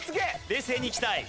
冷静にいきたい。